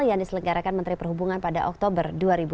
yang diselenggarakan menteri perhubungan pada oktober dua ribu dua puluh